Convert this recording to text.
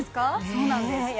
そうなんですえ